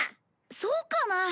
そうかな？